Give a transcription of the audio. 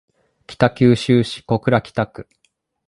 北九州市小倉北区